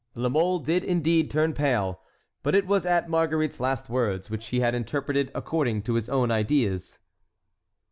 La Mole did indeed turn pale; but it was at Marguerite's last words, which he had interpreted according to his own ideas.